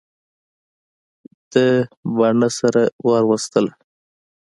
ده باڼه سره ور وستله.